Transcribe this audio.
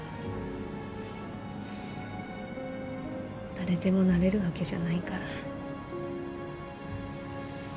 誰でもなれるわけじゃないから。